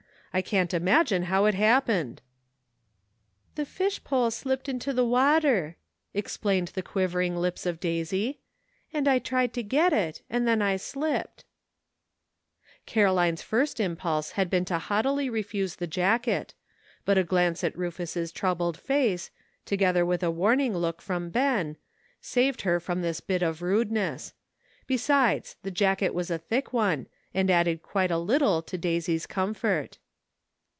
I can't imagine how it happened." " The fish pole slipped into the water," ex plained the quivering lips of Daisy, "and J tried to get it, and X\\qx\ \ slipped," 36 SOMETHING TO REMEMBER. Caroline's first impulse had been to haughtily refuse the jacket, but a glance at Rufus's trou bled face, together with a warning look from Ben, saved her from this bit of rudeness ; be sides, the jacket was a thick one, and added quite a little to Daisy's comfort.